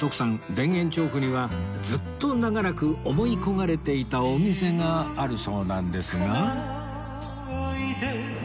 田園調布にはずっと長らく思い焦がれていたお店があるそうなんですが